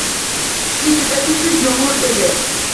Sigirdagi sut yog'lik edi